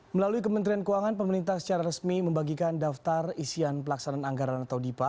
melalui kementerian keuangan pemerintah secara resmi membagikan daftar isian pelaksanaan anggaran atau dipa